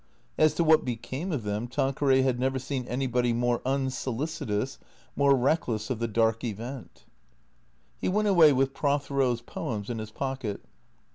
As to what became of them, Tanqueray had never seen anybody more unsolicitous, more reckless of the dark event. He went away with Prothero's poems in his pocket.